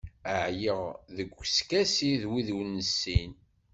Ɛyiɣ deg uskasi d wid ur nessin.